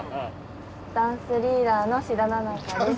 ダンスリーダーの志田菜々花です。